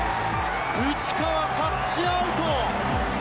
内川、タッチアウト。